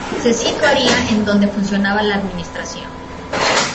Se situaría en donde funcionaba la Administración.